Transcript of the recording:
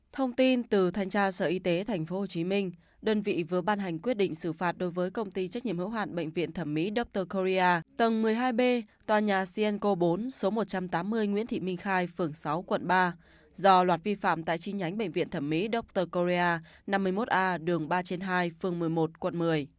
thông tin từ thanh tra sở y tế tp hcm đơn vị vừa ban hành quyết định xử phạt đối với công ty trách nhiệm hữu hoạn bệnh viện thẩm mỹ dobtercoria tầng một mươi hai b tòa nhà sienco bốn số một trăm tám mươi nguyễn thị minh khai phường sáu quận ba do loạt vi phạm tại chi nhánh bệnh viện thẩm mỹ doctoria năm mươi một a đường ba trên hai phường một mươi một quận một mươi